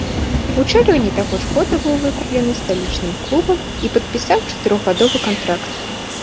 У чэрвені таго ж года быў выкуплены сталічным клубам і падпісаў чатырохгадовы кантракт.